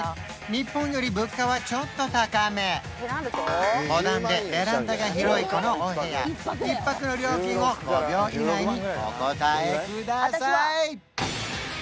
日本より物価はちょっと高めモダンでベランダが広いこのお部屋１泊の料金を５秒以内にお答えください！